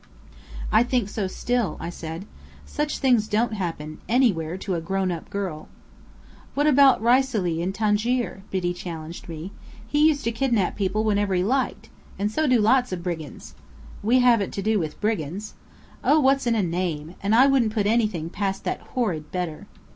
"I think so still," I said. "Such things don't happen anywhere, to a grown up girl." "What about Raisuli in Tangier?" Biddy challenged me. "He used to kidnap people whenever he liked. And so do lots of brigands." "We haven't to do with brigands." "Oh, what's in a name? And I wouldn't put anything past that horrid Bedr."